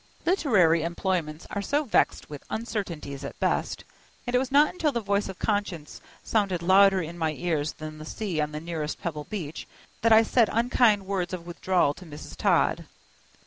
Literary employments are so vexed with uncertainties at best, and it was not until the voice of conscience sounded louder in my ears than the sea on the nearest pebble beach that I said unkind words of withdrawal to Mrs. Todd.